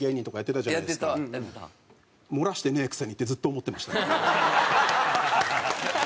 「漏らしてねえくせに」ってずっと思ってました。